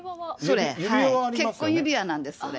結婚指輪なんです、それ。